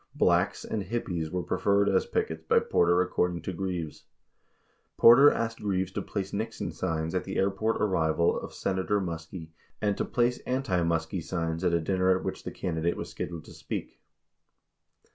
Blacks and "hippies" were preferred as pickets by Porter according to Greaves. Porter asked Greaves to place Nixon signs at the airport arrival of Senator Muskie and to place anti Muskie signs at a dinner at which the candidate was scheduled to speak.